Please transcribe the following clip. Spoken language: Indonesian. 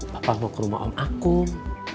bapak mau ke rumah om akun